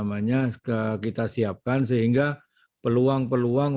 jadi mereka hal hal yang seperti ini loh yang kita siapkan sehingga peluang peluangnya